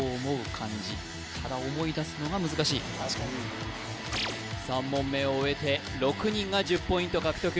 漢字ただ思い出すのが難しい３問目を終えて６人が１０ポイント獲得